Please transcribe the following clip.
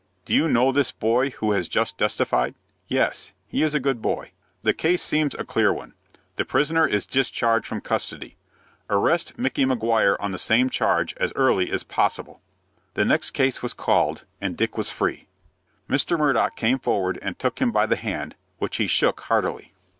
"Do you know this boy who has just testified?" "Yes. He is a good boy." "The case seems a clear one. The prisoner is discharged from custody. Arrest Micky Maguire on the same charge as early as possible." The next case was called, and Dick was free. Mr. Murdock came forward, and took him by the hand, which he shook heartily.